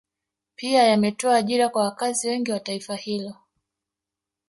Pia yametoa ajira kwa wakazi wengi wa taifa hilo